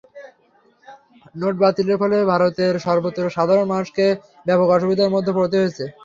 Note বাতিলের ফলে ভারতের সর্বত্র সাধারণ মানুষকে ব্যাপক অসুবিধার মধ্যে পড়তে হয়েছে।